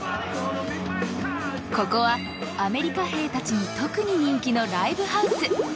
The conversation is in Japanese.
ここはアメリカ兵たちに特に人気のライブハウス。